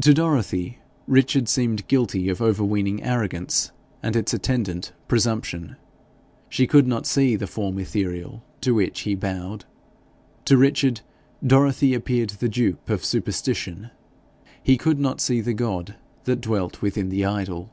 To Dorothy, Richard seemed guilty of overweening arrogance and its attendant, presumption; she could not see the form ethereal to which he bowed. To Richard, Dorothy appeared the dupe of superstition; he could not see the god that dwelt within the idol.